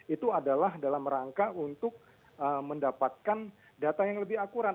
itu adalah dalam rangka untuk mendapatkan data yang lebih akurat